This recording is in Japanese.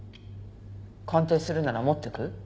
鑑定するなら持ってく？